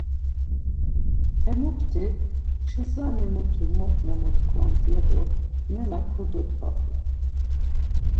Hemukti, xiza-ne mutu mot memotkvamt ya do nena kododvapu.